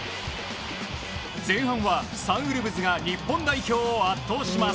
前半はサンウルブズが日本代表を圧倒します。